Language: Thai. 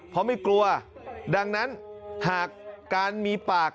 เพราะไม่กลัวดังนั้นหากการมีปาก